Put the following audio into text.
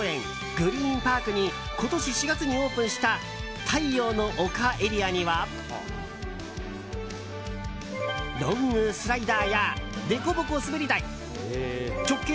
グリーンパークに今年４月にオープンした太陽の丘エリアにはロングスライダーやでこぼこ滑り台直径